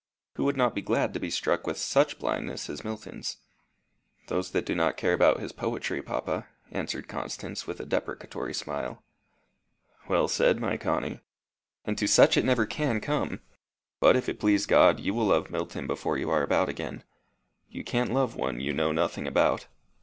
Who would not be glad to be struck with such blindness as Milton's?" "Those that do not care about his poetry, papa," answered Constance, with a deprecatory smile. "Well said, my Connie. And to such it never can come. But, if it please God, you will love Milton before you are about again. You can't love one you know nothing about."